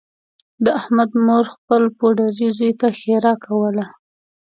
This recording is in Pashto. د احمد مور خپل پوډري زوی ته ښېرا کوله